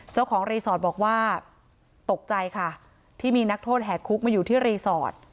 เจ้าของรีสอร์ทบอกว่าตกใจค่ะที่มีนักโทษแหกคุกมาอยู่ที่รีสอร์ท